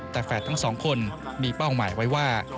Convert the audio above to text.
แต่แฝดทั้งสองคนมีเป้าหมายไว้ว่า